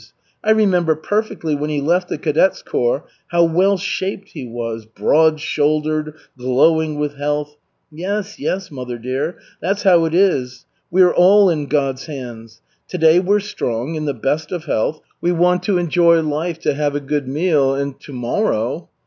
I remember perfectly when he left the cadets corps how well shaped he was, broad shouldered, glowing with health. Yes, yes, mother dear, that's how it is. We're all in God's hands. To day we're strong, in the best of health, we want to enjoy life to have a good meal, and tomorrow....